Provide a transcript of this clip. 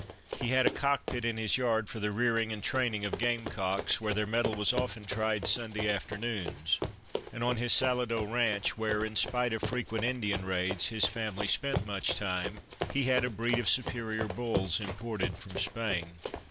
He had a cock pit in his yard for the rearing and training of game cocks, where their mettle was often tried Sunday afternoons, and on his Salado ranch, where, in spite of frequent Indian raids, his family spent much time, he had a breed of superior bulls imported from Spain.